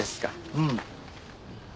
うん。